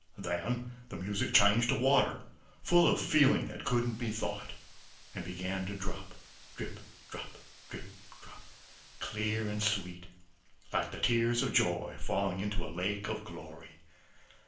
Then the music changed to water, full of feeling that couldn't be thought, and began to drop drip, drop drip, drop, clear and sweet, like tears of joy falling into a lake of glory.